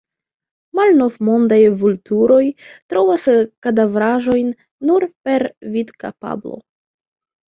Malnovmondaj vulturoj trovas kadavraĵojn nur per vidkapablo.